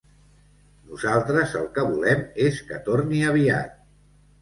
Nosaltres el que volem és que torni aviat!